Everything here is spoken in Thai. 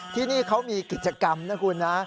ที่นี่เขามีกิจกรรมนะคุณนะ